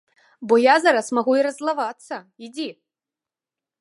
Бо я зараз магу і раззлавацца, ідзі!